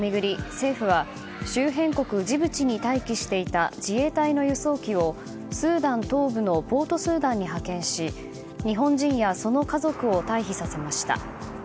政府は周辺国ジブチに待機していた自衛隊の輸送機をスーダン東部のポートスーダンに派遣し日本人やその家族を退避させました。